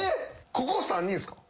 ここ３人っすか？